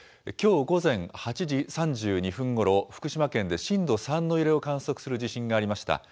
きょう午前８時３２分ごろ、福島県で震度３の揺れを観測する地震がありました。